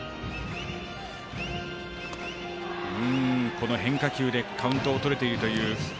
この変化球でカウントをとれてるという。